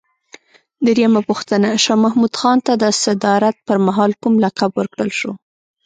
درېمه پوښتنه: شاه محمود خان ته د صدارت پر مهال کوم لقب ورکړل شو؟